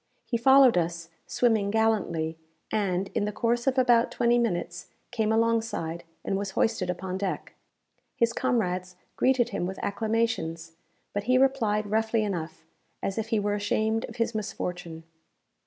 He followed us, swimming gallantly, and, in the course of about twenty minutes, came alongside, and was hoisted upon deck. His comrades greeted him with acclamations; but he replied roughly enough, as if he were ashamed of his misfortune.